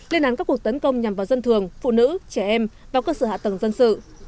lên án các cuộc tấn công nhằm vào dân thường phụ nữ trẻ em và cơ sở hạ tầng dân sự